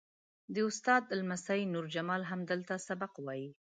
د استاد لمسی نور جمال هم دلته سبق وایي.